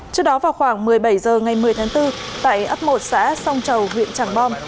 trước đó vào khoảng một mươi bảy h ngày một mươi tháng bốn tại ấp một xã song chầu huyện tràng bom